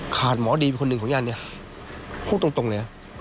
หมอดีเป็นคนหนึ่งของย่านเนี่ยพูดตรงเลยนะ